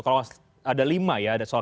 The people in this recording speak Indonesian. kalau ada lima ya ada soal